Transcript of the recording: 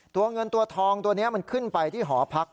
ตัวเงินตัวทองตัวนี้มันขึ้นไปที่หอพัก